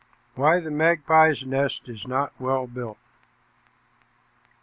WHY THE MAGPIE'S NEST IS NOT WELL BUILT.